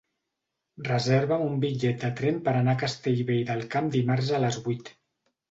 Reserva'm un bitllet de tren per anar a Castellvell del Camp dimarts a les vuit.